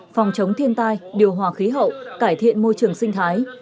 phòng chống thiên tai điều hòa khí hậu cải thiện môi trường sinh thái